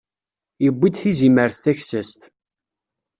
Yewwi-d tizimert taksast.